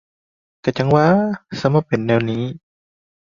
เนี่ย มันก็เป็นซะอย่างนี้